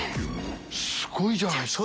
すごいじゃないですか。